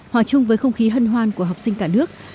hòa chung với không khí hân hoan của học sinh cả nước